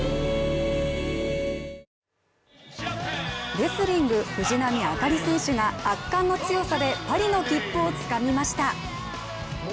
レスリング藤波朱理選手が圧巻の強さでパリの切符をつかみました。